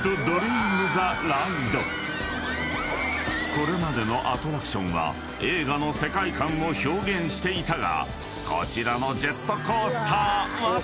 ［これまでのアトラクションは映画の世界観を表現していたが］